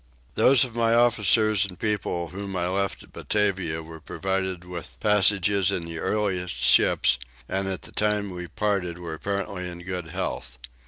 Those of my officers and people whom I left at Batavia were provided with passages in the earliest ships; and at the time we parted were apparently in good health.